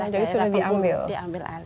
jadi sudah diambil